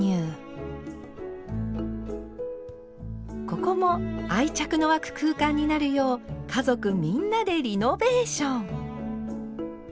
ここも愛着の湧く空間になるよう家族みんなでリノベーション。